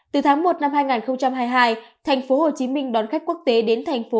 từ tháng một năm hai nghìn hai mươi hai thành phố hồ chí minh đón khách quốc tế đến thành phố